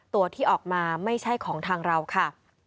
ตัวที่ออกมาไม่ใช่ของทางเราค่ะ